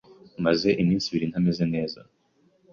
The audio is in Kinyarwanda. Maze iminsi ibiri ntameze neza.